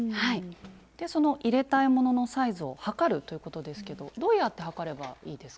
その入れたいもののサイズを測るということですけどどうやって測ればいいですか？